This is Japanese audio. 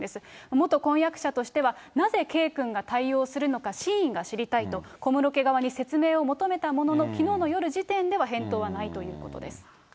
元婚約者としては、なぜ圭君が対応するのか、真意が知りたいと、小室家側に説明を求めたものの、きのうの夜時点では返答はないということです。